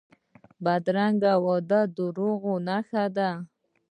بدرنګه وعدې د دروغو نښه وي